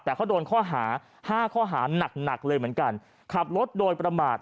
แต่เขาโดนข้อหาห้าข้อหานักหนักเลยเหมือนกันขับรถโดยประมาท